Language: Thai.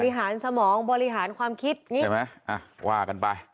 หารสมองบริหารความคิดนี่ใช่ไหมอ่ะว่ากันไป